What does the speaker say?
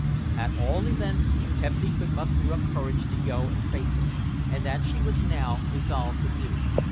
At all events, Pepsy could muster up courage to go and face him, and that she was now resolved to do.